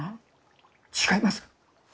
違います！